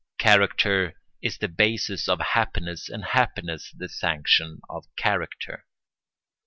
Character is the basis of happiness and happiness the sanction of character.